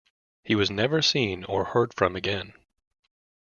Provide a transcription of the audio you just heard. He was never seen or heard from again.